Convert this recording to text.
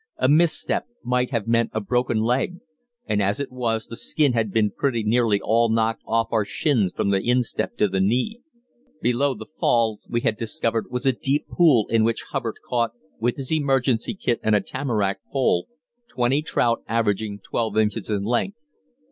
A misstep might have meant a broken leg, and as it was, the skin had been pretty nearly all knocked off of our shins from the instep to the knee. Below the fall we had discovered was a deep pool in which Hubbard caught, with his emergency kit and a tamarack pole, twenty trout averaging twelve inches in length.